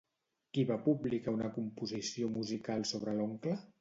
Qui va publicar una composició musical sobre l'Oncle?